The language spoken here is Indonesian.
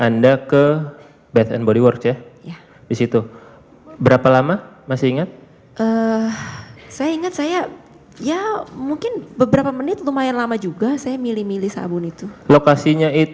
nah ini mungkin